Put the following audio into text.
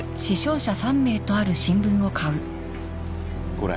これ。